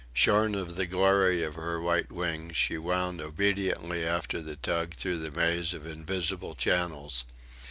Shorn of the glory of her white wings, she wound obediently after the tug through the maze of invisible channels.